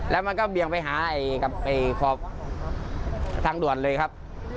แล้วมันก็เบียงไปหาทางด่วนเลยครับ